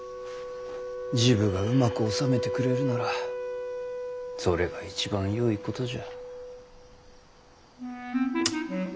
治部がうまく収めてくれるならそれが一番よいことじゃ。